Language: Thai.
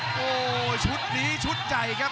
โอ้โหชุดดีชุดใจครับ